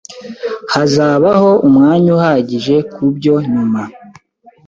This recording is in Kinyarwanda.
Hazabaho umwanya uhagije kubyo nyuma